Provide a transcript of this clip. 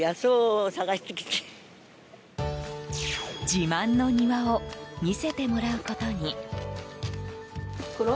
自慢の庭を見せてもらうことに。